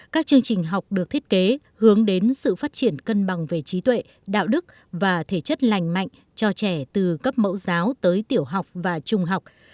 các chương trình học được thiết kế hướng đến sự phát triển cân bằng về trí tuệ đạo đức và thể chất lành mạnh cho trẻ từ cấp mẫu giáo tới tiểu học và trung học